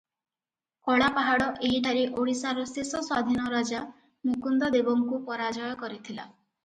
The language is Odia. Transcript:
କଳାପାହାଡ଼ ଏହିଠାରେ ଓଡ଼ିଶାର ଶେଷ ସ୍ୱାଧୀନରାଜା ମୁକୁନ୍ଦଦେବଙ୍କୁ ପରାଜୟ କରିଥିଲା ।